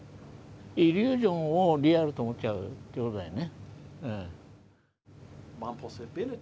イリュージョンをリアルと思っちゃうって事だよね。